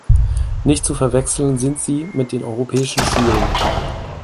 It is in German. Nicht zu verwechseln sind sie mit den Europäischen Schulen.